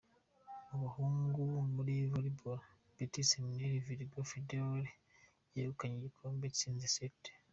Mu bahungu muri Volleyball, Petit Seminaire Virgo Fidelis yegukanye igikombe itsinze St.